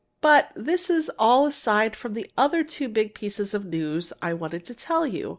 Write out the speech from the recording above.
But this is all aside from the other two big pieces of news I wanted to tell you.